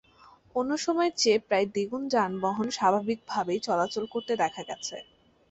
অন্য সময়ের চেয়ে প্রায় দ্বিগুণ যানবাহন স্বাভাবিকভাবেই চলাচল করতে দেখা গেছে।